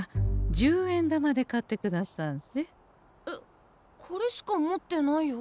えっこれしか持ってないよ。